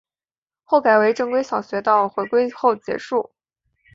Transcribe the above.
后改为正规小学到回归后结束。